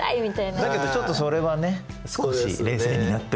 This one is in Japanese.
だけどちょっとそれはね少し冷静になって。